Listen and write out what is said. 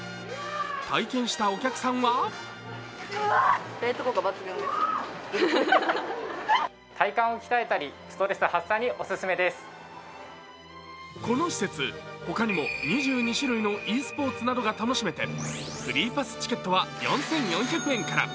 体験したお客さんはこの施設、他にも２２種類のｅスポーツなどが楽しめてフリーパスチケットは４４００円から。